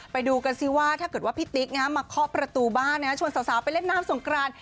ไปดูกันสิว่าถ้าเกิดว่าพี่ติ๊กมาเคาะประตูบ้านชวนสาวไปเล่นน้ำสงกราน